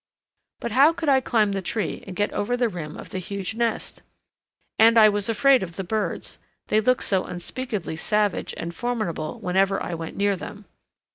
But how could I climb the tree and get over the rim of the huge nest? And I was afraid of the birds, they looked so unspeakably savage and formidable whenever I went near them.